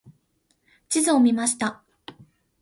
地図を見ました。